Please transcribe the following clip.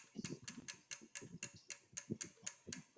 隆莱勒泰松人口变化图示